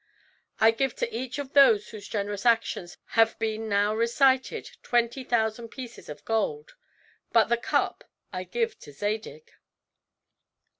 I give to each of those whose generous actions have been now recited twenty thousand pieces of gold; but the cup I give to Zadig."